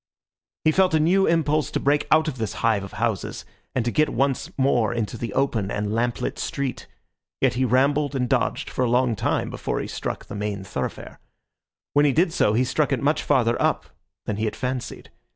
He felt a new impulse to break out of this hive of houses, and to get once more into the open and lamp lit street. Yet he rambled and dodged for a long time before he struck the main thoroughfare. When he did so, he struck it much farther up than he had fancied.